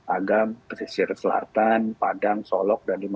agam pesisir selatan padang solok dan lima puluh kota